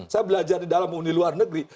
saya belajar di dalam di luar negeri